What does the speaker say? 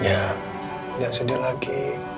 ya gak sedih lagi